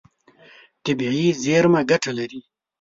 طبیعي زیرمه ګټه لري.